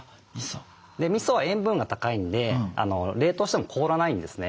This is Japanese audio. みそは塩分が高いんで冷凍しても凍らないんですね。